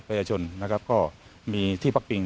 พยาชนนะครับก็มีที่ปั๊กปิง